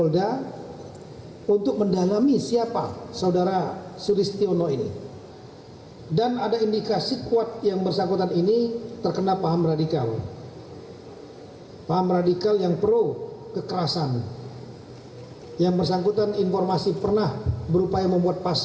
densus delapan puluh delapan saya sudah perintahkan untuk turun ke sana dari mabes